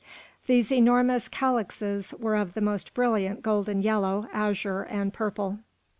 These enormous calyxes were of the most brilliant golden yellow, azure, and purple.